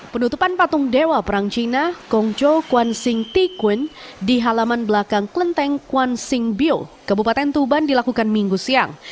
penutupan patung dewa perang cina kongco kwan sing tikun di halaman belakang klenteng kwan sing biotuban dilakukan minggu siang